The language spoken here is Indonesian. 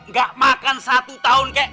nggak makan satu tahun kak